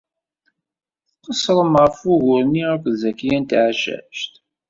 Tqeṣṣrem ɣef wugur-nni akked Zakiya n Tɛeccact.